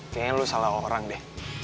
kayanya lo salah orang deh